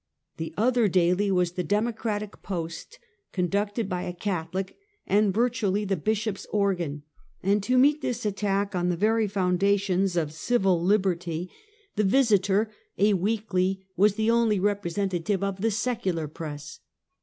The other daily was the Democratic Post^ conducted by a Catholic, and virtually the Bishop's organ; and to meet this attack on the very foundations of civil lib 152 Half a Centukt. ertj, the Visiter, a weekly, was the only representa tive of the secular press.